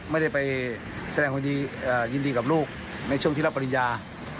ไม่ได้ไปแสดงความยินดีกับลูกในช่วงที่รับปริญญา